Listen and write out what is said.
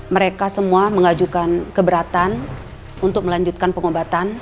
mereka semua mengajukan keberatan untuk melanjutkan pengobatan